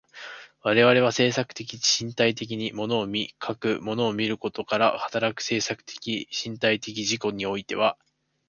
我々は制作的身体的に物を見、かく物を見ることから働く制作的身体的自己においては、